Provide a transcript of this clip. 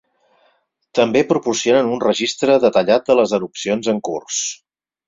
També proporcionen un registre detallat de les erupcions en curs.